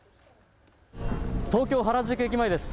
東京原宿駅前です。